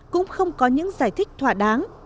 cũng không có những giải thích thỏa đáng